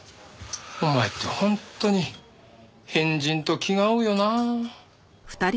お前って本当に変人と気が合うよな。